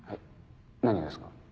何がですか？